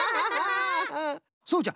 そうじゃ。